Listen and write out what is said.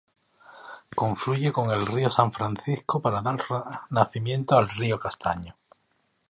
Confluye con el río San Francisco para dar nacimiento al río Castaño.